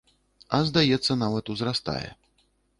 А здаецца, нават узрастае.